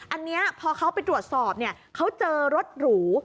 อันนี้พอเขาไปตรวจสอบเขาเจอรถหรู